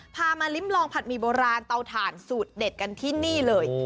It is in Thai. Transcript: พามาลิ้มลองผัดหมี่โบราณเตาถ่านสูตรเด็ดกันที่นี่เลย